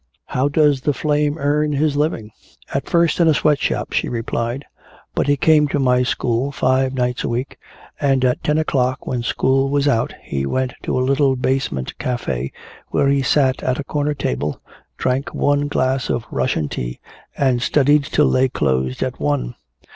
"How does the flame earn his living?" "At first in a sweatshop," she replied. "But he came to my school five nights a week, and at ten o'clock when school was out he went to a little basement café, where he sat at a corner table, drank one glass of Russian tea and studied till they closed at one.